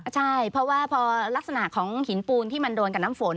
ใช่เพราะว่าพอลักษณะของหินปูนที่มันโดนกับน้ำฝน